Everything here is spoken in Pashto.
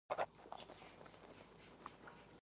د پوهنتون دوو څېړونکو هغه وزمویله.